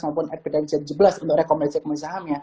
maupun adbedan j tujuh belas untuk rekomendasi kemuliaan sahamnya